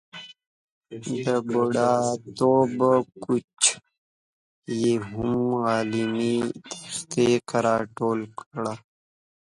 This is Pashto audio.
د بوډاتوب کوچ یې هم علمي تحقیق را ټول کړی.